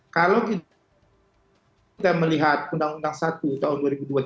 kalau kita melihat undang undang satu tahun dua ribu dua puluh tiga